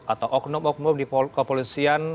atau oknum oknum di kepolisian